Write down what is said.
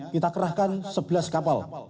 kita kerahkan sebelas kapal